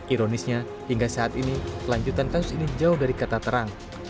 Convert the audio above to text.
ironisnya hingga saat ini kelanjutan kasus ini jauh dari kata terang